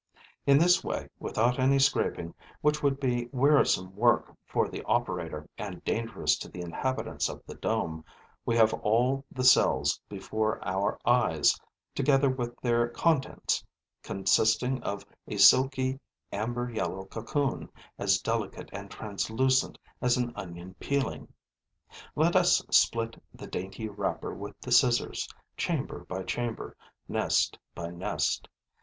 In this way, without any scraping, which would be wearisome work for the operator and dangerous to the inhabitants of the dome, we have all the cells before our eyes, together with their contents, consisting of a silky, amber yellow cocoon, as delicate and translucent as an onion peeling. Let us split the dainty wrapper with the scissors, chamber by chamber, nest by nest.